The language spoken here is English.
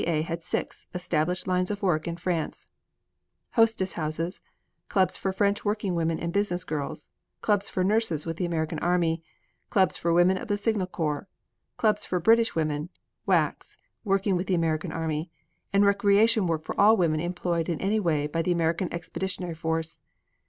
W. C. A. had six established lines of work in France: Hostess Houses, clubs for French working women and business girls, clubs for nurses with the American army, clubs for women of the signal corps, clubs for British women (Waac's) working with the American army, and recreation work for all women employed in any way by the American Expeditionary Force.